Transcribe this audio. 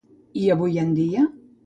I avui en dia?